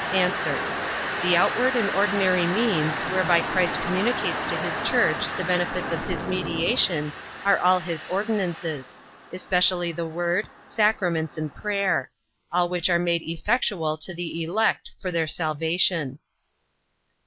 A. The outward and ordinary means whereby Christ communicates to his church the benefits of his mediation, are all his ordinances; especially the word, sacraments, and prayer; all which are made effectual to the elect for their salvation.